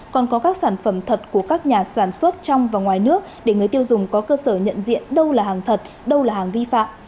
còn có các sản phẩm thật của các nhà sản xuất trong và ngoài nước để người tiêu dùng có cơ sở nhận diện đâu là hàng thật đâu là hàng vi phạm